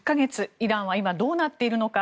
イランは今どうなっているのか。